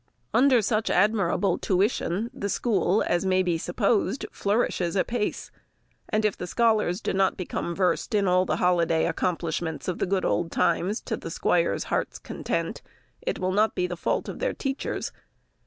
Under such admirable tuition, the school, as may be supposed, flourishes apace; and if the scholars do not become versed in all the holiday accomplishments of the good old times, to the squire's heart's content, it will not be the fault of their teachers.